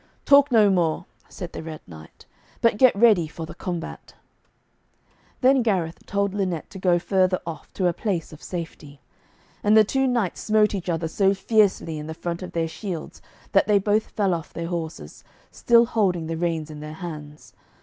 'Talk no more,' said the Red Knight, 'but get ready for the combat.' Then Gareth told Lynette to go further off, to a place of safety. And the two knights smote each other so fiercely in the front of their shields that they both fell off their horses, still holding the reins in their hands.